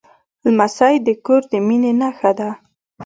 لمسی د کور د مینې نښه ده.